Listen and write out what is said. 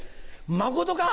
まことか？